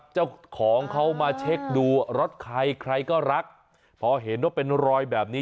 เจ้าของเขามาเช็คดูรถใครใครก็รักพอเห็นว่าเป็นรอยแบบนี้